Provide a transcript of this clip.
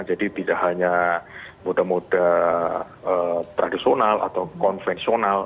jadi tidak hanya moda moda tradisional atau konvensional